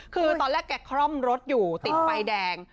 คือตอนแรกแกคล่อมรถอยู่ติดไฟแดง